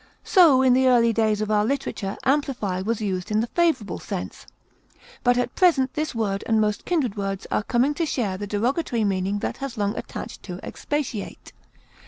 So, in the early days of our literature amplify was used in the favorable sense; but at present this word and most kindred words are coming to share the derogatory meaning that has long attached to expatiate.